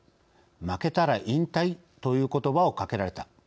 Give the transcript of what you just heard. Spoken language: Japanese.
負けたら引退という言葉をかけられた。